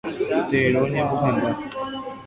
Tero ñemohenda.